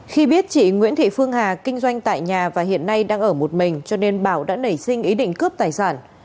khi biết chị nguyễn thị phương hà kinh doanh tại nhà và hiện nay đang ở một mình cho nên bảo đã nảy sinh ý định cướp tài sản